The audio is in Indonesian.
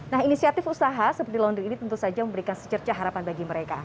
nah inisiatif usaha seperti launder ini tentu saja memberikan secerca harapan bagi mereka